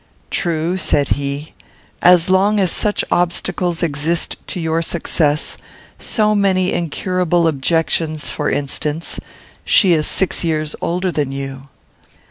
"True," said he, "as long as such obstacles exist to your success; so many incurable objections: for instance, she is six years older than you."